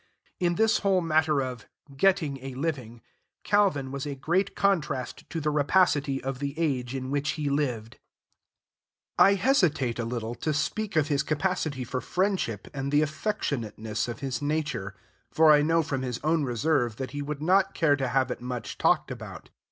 In this whole, matter of "getting a living," Calvin was a great contrast to the rapacity of the age in which he lived. I hesitate a little to speak of his capacity for friendship and the affectionateness of his nature, for I know from his own reserve that he would not care to have it much talked about.